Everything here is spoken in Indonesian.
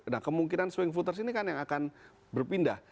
nah kemungkinan swing voters ini kan yang akan berpindah